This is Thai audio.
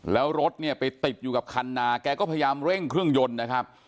แล้วรถเนี่ยไปติดอยู่กับคันนาแกก็พยายามเร่งเครื่องยนต์นะครับ